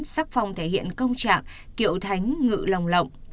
sắc phong thể hiện công trạng kiệu thánh ngự lòng lộng